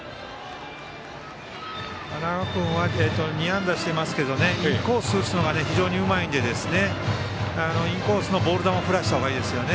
塙君は２安打していますけどインコース打つのが非常にうまいのでインコースのボール球振らせた方がいいですよね。